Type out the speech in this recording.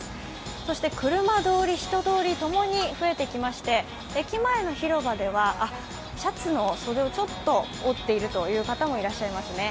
そして車通り人通り共に増えてきまして駅前の広場では、シャツの袖をちょっと折っているという方もいらっしゃいますね。